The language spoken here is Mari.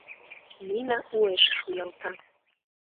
— Нина уэш шуялта.